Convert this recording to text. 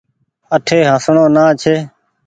اٺي هسڻو نآ ڇي ۔